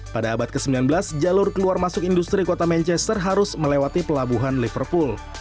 pada abad ke sembilan belas jalur keluar masuk industri kota manchester harus melewati pelabuhan liverpool